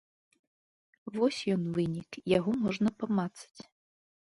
Вось ён, вынік, яго можна памацаць.